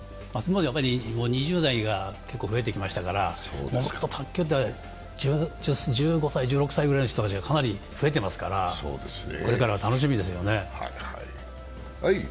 ２０代が増えてきましたから卓球って、１５歳、１６歳の人がかなり増えてますからこれからが楽しみですよね。